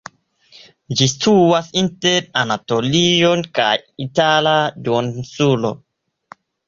Ĝi situas inter Anatolio kaj Itala duoninsulo.